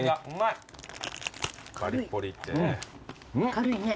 軽いね。